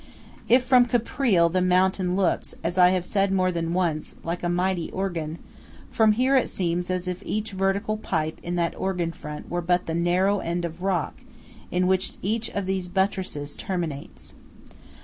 If from Caprile the mountain looks, as I have said more than once, like a mighty organ, from here it seems as if each vertical pipe in that organ front were but the narrow end of rock in which each of these buttresses terminates.